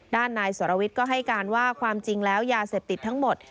ด้านนายสรวิทย์ก็ให้การว่าความจริงแล้วยาเสพติดทั้งหมด